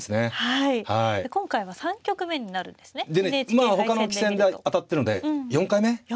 まあほかの棋戦で当たってるので４回目。